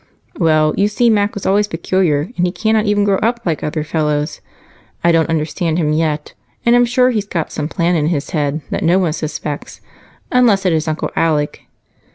"Well, you see Mac was always peculiar, and he cannot even grow up like other fellows. I don't understand him yet, and am sure he's got some plan in his head that no one suspects, unless it is Uncle Alec.